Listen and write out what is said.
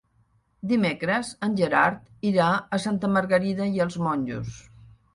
Dimecres en Gerard irà a Santa Margarida i els Monjos.